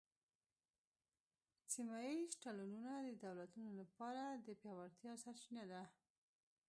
سیمه ایز تړونونه د دولتونو لپاره د پیاوړتیا سرچینه ده